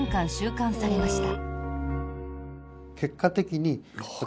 ６年間収監されました。